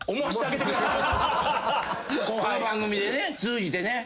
この番組でね通じてね。